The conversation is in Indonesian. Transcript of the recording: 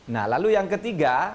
nah lalu yang ketiga